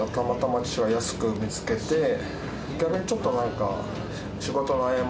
逆にちょっとなんか。